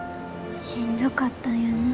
しんどかったんやな。